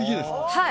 はい。